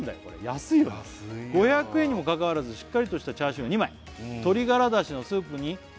これ安いわ安いよ「５００円にもかかわらずしっかりとしたチャーシューが２枚」「鶏ガラだしのスープに」